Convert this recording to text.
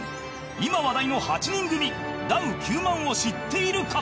今話題の８人組ダウ９００００を知っているか？